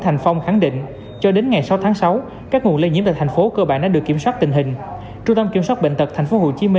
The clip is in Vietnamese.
theo thông tin từ trung tâm kiểm soát dịch bệnh tp hcm